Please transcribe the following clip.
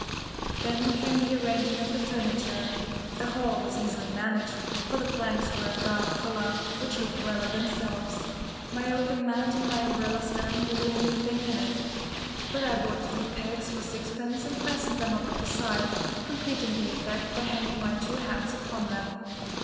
Then came the arranging of the furniture. The hall was easily managed, for the planks were of a dark colour, which looked well of themselves. My oakum mat and my umbrella stand were the only things in it; but I bought three pegs for sixpence, and fastened them up at the side, completing the effect by hanging my two hats upon them.